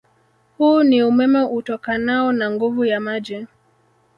Huu ni umeme utokanao na nguvu ya maji